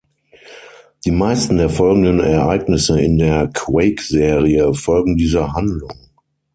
Die meisten der folgenden Ereignisse in der „Quake“-Serie folgen dieser Handlung.